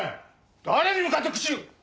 誰に向かって口を。